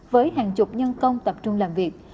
với hàng chục nhân công tập trung làm việc